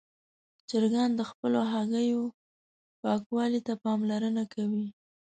چرګان د خپلو هګیو پاکوالي ته پاملرنه کوي.